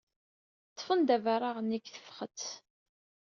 Ḍḍfen-d abaraɣ-nni deg tefxet.